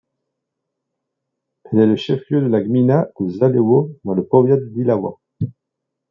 Elle est le chef-lieu de la gmina de Zalewo, dans le powiat d'Iława.